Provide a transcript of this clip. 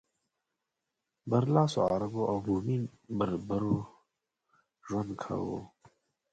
برلاسو عربو او بومي بربرو ژوند کاوه.